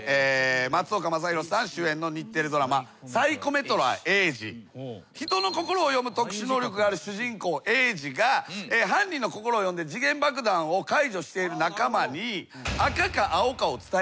松岡昌宏さん主演の日テレドラマ『サイコメトラーＥＩＪＩ』人の心を読む特殊能力がある主人公映児が犯人の心を読んで時限爆弾を解除している仲間に赤か青かを伝えるシーンなんですけども。